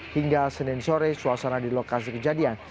hingga senin sore suasana di lokasi kejadian